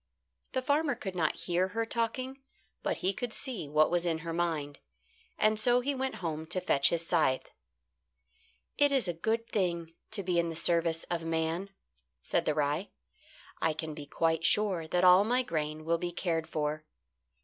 The farmer could not hear her talking, but he could see what was in her mind, and so he went home to fetch his scythe. "It is a good thing to be in the service of man," said the rye. "I can be quite sure that all my grain will be cared for.